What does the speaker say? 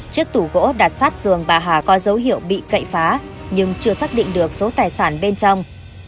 trước tủ gỗ đặt sát giường bà hạc có dấu hiệu bị cậy phá nhưng chưa xác định được số tài sản bên trong